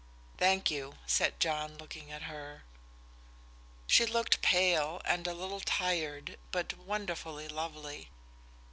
"Thank you," said John, looking at her. She looked pale and a little tired, but wonderfully lovely.